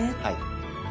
はい。